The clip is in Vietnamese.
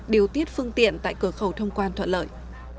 điều tiết phương tiện tại cửa khẩu thông quan thuận lợi